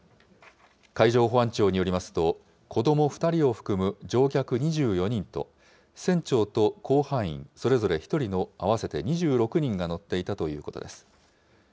海上保安庁によりますと、子ども２人を含む乗客２４人と船長と甲板員それぞれ１人の合わせて２６人が乗っていたということです。